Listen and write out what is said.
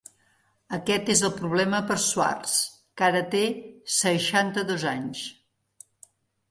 Aquest és el problema per Schwartz, que ara té seixanta-dos anys.